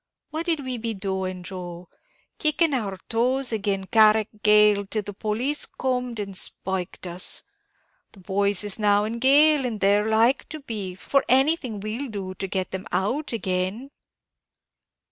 "What'd we be doing, Joe? kicking our toes agin Carrick Gaol, till the police comed and spiked us? The boys is now in gaol, and there they're like to be, for anything we'll do to get 'em out again."